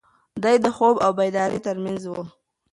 دی د خوب او بیدارۍ تر منځ و.